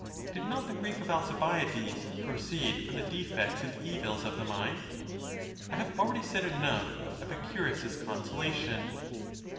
did not the grief of Alcibiades proceed from the defects and evils of the mind? I have already said enough of Epicu rus's consolation.